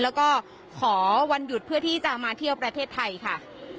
แล้วก็ขอวันหยุดเพื่อที่จะมาเที่ยวประเทศไทยค่ะ